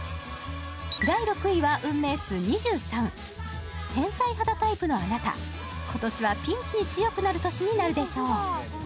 第６位は運命数２３天才肌タイプのあなた今年はピンチに強くなる年になるでしょう